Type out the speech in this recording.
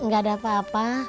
gak ada apa apa